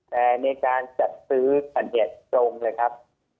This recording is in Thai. และในการจัดซื้อฟัญแข่งตรงเลยครับ